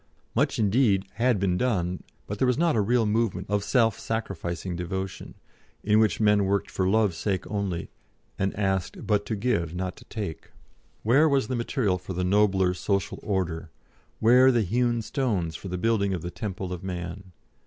Much indeed had been done, but there was not a real movement of self sacrificing devotion, in which men worked for Love's sake only, and asked but to give, not to take. Where was the material for the nobler Social Order, where the hewn stones for the building of the Temple of Man?